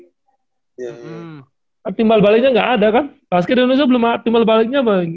hmm kan timbal baliknya gak ada kan basket indonesia timbal baliknya masih gak